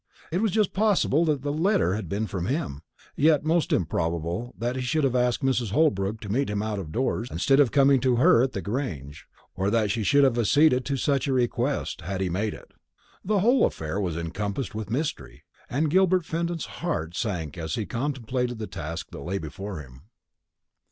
It was just possible that the letter had been from him; yet most improbable that he should have asked Mrs. Holbrook to meet him out of doors, instead of coming to her at the Grange, or that she should have acceded to such a request, had he made it. The whole affair was encompassed with mystery, and Gilbert Fenton's heart sank as he contemplated the task that lay before him.